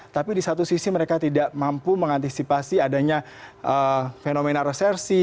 tapi di satu sisi mereka tidak mampu mengantisipasi adanya fenomena resersi